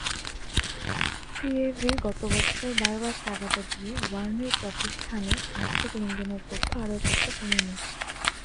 CAV গতবছর বারবার তাগাদা দিয়ে ওয়ার্নের প্রতিষ্ঠানের আর্থিক লেনদেনের তথ্য আদায় করতে পারেনি।